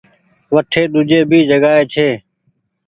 وٺي ۮوجي ڀي جگآ ئي ڇي۔